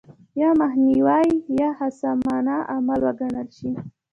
یا مخنیوی به خصمانه عمل وګڼل شي.